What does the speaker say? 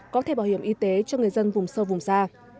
có thể bảo hiểm y tế cho người dân vùng sâu vùng xa